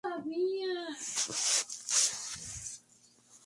Stanley no habla, excepto al final de la película.